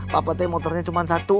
bapak teh motornya cuma satu